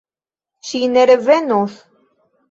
Ŝi ne revenos?